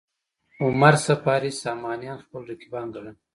عمر صفاري سامانیان خپل رقیبان ګڼل.